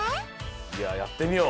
じゃあやってみよう！